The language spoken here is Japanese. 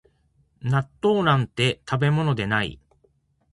納豆なんて食べ物ではない